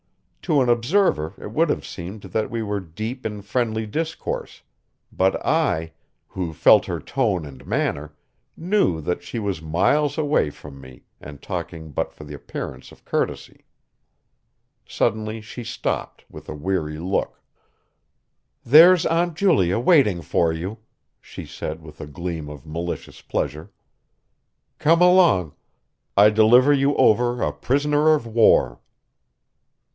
To an observer it would have seemed that we were deep in friendly discourse; but I, who felt her tone and manner, knew that she was miles away from me and talking but for the appearance of courtesy. Suddenly she stopped with a weary look. "There's Aunt Julia waiting for you," she said with a gleam of malicious pleasure. "Come along. I deliver you over a prisoner of war."